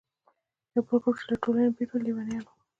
یو بل ګروپ چې له ټولنې بېل و، لیونیان وو.